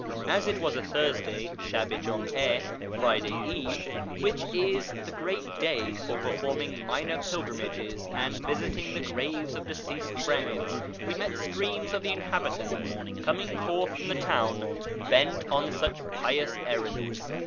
As it was a Thursday {Shal i Jum' a, Friday Eve), which is the great day for performing minor pilgrimages and visiting the graves of deceased friends, we met streams of the inhabitants coming forth from the town bent on such pious errands.